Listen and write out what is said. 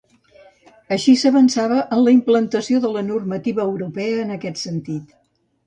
Així s'avança en la implantació de la normativa europea en aquest sentit.